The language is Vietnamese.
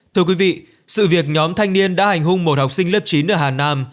thưa quý vị sự việc nhóm thanh niên đã hành hung một học sinh lớp chín ở hà nam